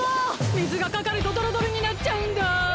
みずがかかるとどろどろになっちゃうんだ！